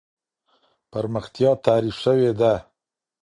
پرمختيا تعريف سوې ده.